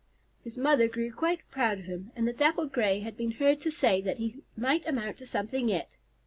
His mother grew quite proud of him, and the Dappled Gray had been heard to say that he might amount to something yet.